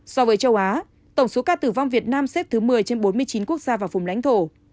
so với châu á tổng số ca tử vong việt nam xếp thứ một mươi trên bốn mươi chín quốc gia và vùng lãnh thổ